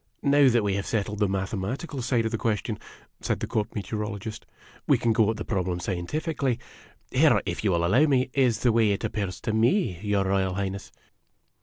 " Now that we have settled the mathematical side of the ques tion," said the Court Meteorologist, "we can go at the problem scientifically. Here, if you will allow me, is the way it appears to me, your Royal Highness."